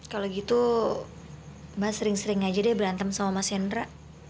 kalau gitu mbak sering sering aja deh berantem sama mas hendra